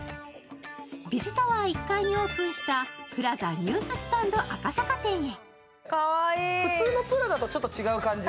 Ｂｉｚタワー１階にオープンしたＰＬＡＺＡＮＥＷＳＳＴＡＮＤ赤坂店へ。